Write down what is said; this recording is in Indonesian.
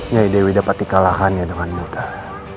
ya dewi dapat dikalahannya dengan mudah